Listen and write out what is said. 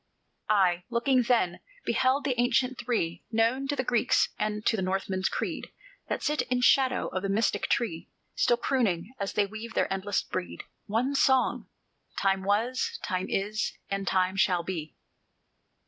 I, looking then, beheld the ancient Three Known to the Greek's and to the Northman's creed, That sit in shadow of the mystic Tree, Still crooning, as they weave their endless brede, One song: "Time was, Time is, and Time shall be."